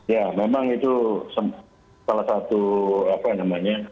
ya memang itu salah satu apa namanya